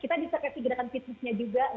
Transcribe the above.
kita bisa tekan gerakan fitnesnya juga